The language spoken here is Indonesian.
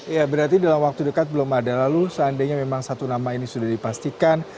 ya berarti dalam waktu dekat belum ada lalu seandainya memang satu nama ini sudah dipastikan